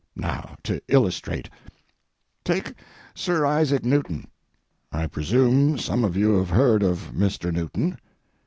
Now, to illustrate, take Sir Isaac Newton—I presume some of you have heard of Mr. Newton.